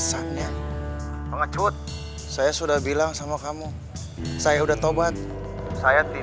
kalau nanti bu devi nikah sama si bulai